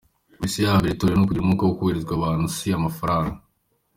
Misiyo ya mbere y’itorero ni ukugira umwuka no kubwiriza abantu si amafaranga.